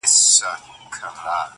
• نه یې مرستي ته دوستان سوای رسېدلای -